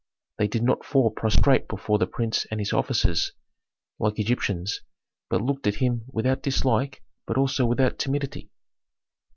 They did not fall prostrate before the prince and his officers, like Egyptians, but looked at him without dislike, but also without timidity.